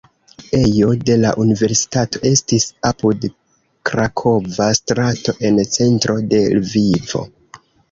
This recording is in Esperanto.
Ejo de la universitato estis apud krakova strato en centro de Lvivo.